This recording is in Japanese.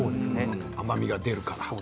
甘みが出るから。